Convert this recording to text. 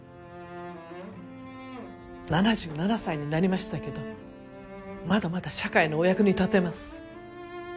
７７歳になりましたけどまだまだ社会のお役に立てます。